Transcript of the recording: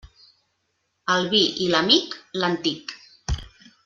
El vi i l'amic, l'antic.